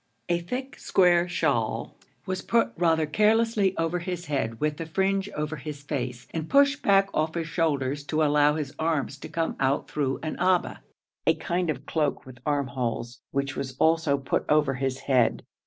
A thick square shawl was put rather carelessly over his head with the fringe over his face, and pushed back off his shoulders, to allow his arms to come out through an abba, a kind of cloak with armholes, which was also put over his head.